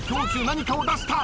何かを出した。